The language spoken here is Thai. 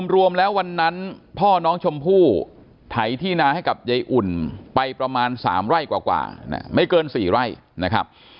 รวมแล้ววันนั้นพ่อน้องชมพู่ไถที่นาให้กับยายอุ่นไปประมาณ๓ไร่กว่าไม่เกิน๔ไร่นะครับ